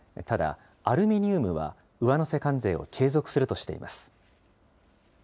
ただ、アルミニウムは、上乗せ関税を継続するとしています。